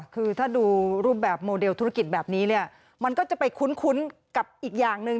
คือถ้าดูรูปแบบโมเดลธุรกิจแบบนี้เนี่ยมันก็จะไปคุ้นกับอีกอย่างหนึ่ง